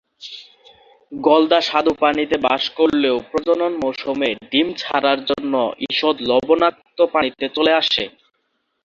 গলদা স্বাদু পানিতে বাস করলেও প্রজনন মৌসুমে ডিম ছাড়ার জন্য ঈষৎ লবণাক্ত পানিতে চলে আসে।